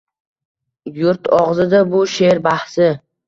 Yurt og’zida bu she’r bahsi